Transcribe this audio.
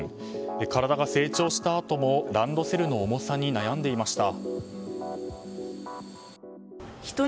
体が成長したあともランドセルの重さに悩んでいました。